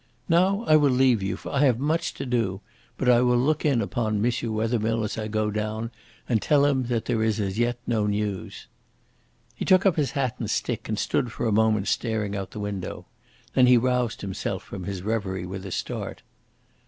Now I will leave you, for I have much to do. But I will look in upon M. Wethermill as I go down and tell him that there is as yet no news." He took up his hat and stick, and stood for a moment staring out of the window. Then he roused himself from his reverie with a start.